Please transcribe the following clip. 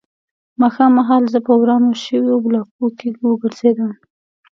ماښام مهال زه په ورانو شویو بلاکونو کې وګرځېدم